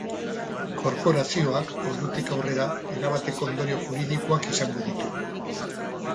Korporazioak, ordutik aurrera, erabateko ondorio juridikoak izango ditu.